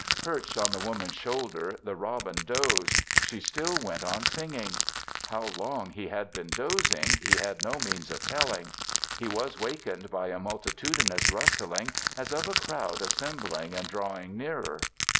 Perched on the Woman's shoulder the robin dozed. She still went on singing. How long he had been dozing he had no means of telling. He was wakened by a multitudinous rustling, as of a crowd assembling and drawing nearer.